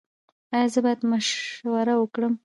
ایا زه باید مشوره ورکړم؟